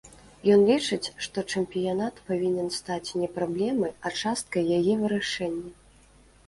Ён лічыць, што чэмпіянат павінен стаць не праблемай, а часткай яе вырашэння.